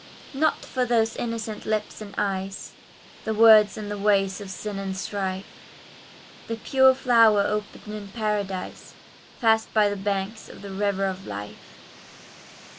Not for those innocent lips and eyes, The words and the ways of sin and strife; The pure flower opened in paradise, Fast by the banks of the river of life.